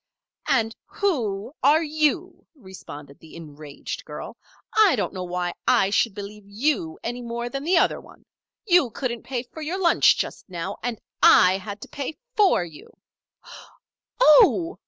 "And who are you?" responded the enraged girl. "I don't know why I should believe you any more than that other one. You couldn't pay for your lunch just now, and I had to pay for you " "Oh!"